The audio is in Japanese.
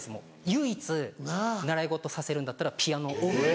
唯一習い事させるんだったらピアノオンリー。